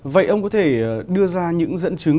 vậy ông có thể đưa ra những dẫn chứng